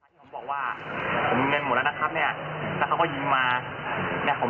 คุณเขาที่ผมโอนไปครั้งแรกครับ